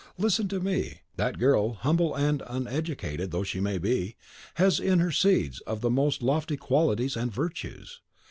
Listen to me. That girl, humble and uneducated though she be, has in her the seeds of the most lofty qualities and virtues.